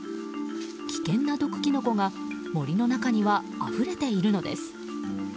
危険な毒キノコが森の中にはあふれているのです。